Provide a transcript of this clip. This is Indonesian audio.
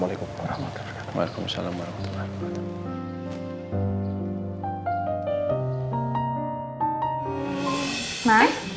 waalaikumsalam warahmatullahi wabarakatuh